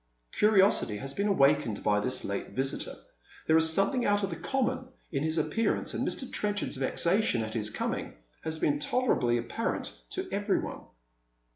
Curiosity has been awakened by this late visitor. There is something out of the common in his appearance, and Mr. Tren chard's vexation at his coming has been tolerably apparent to every one.